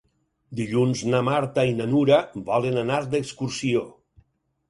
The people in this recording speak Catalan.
Dilluns na Marta i na Nura volen anar d'excursió.